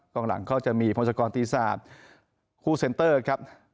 กลางหลังก็จะมีพร้อมศักรณ์ตีศาสตร์คู่เซ็นเตอร์ครับ